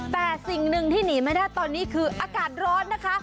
แต่สิ่งหนึ่งที่หนีไม่ได้ตอนนี้คืออากาศร้อนนะคะ